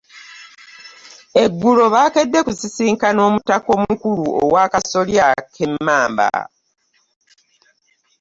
Eggulo baakedde kusisinkana Omutaka omukulu Owaakasolya k'Emmamba